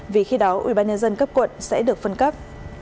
vì khi đó ubnd cấp quận sẽ được phân cấp